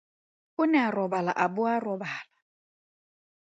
O ne a robala a bo a robala.